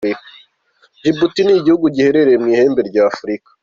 Djibouti ni igihugu giherereye mu ihembe rya Afurika.